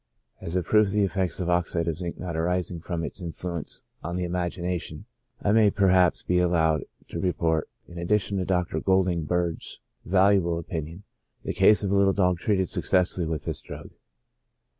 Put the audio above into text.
As a proof of the effects of oxide of zinc not arising from its influence on the imagination, I may perhaps be allowed to report, in addition to Dr. Golding Bird's valuable opinion, the case of a little dog treated successfully with this drug.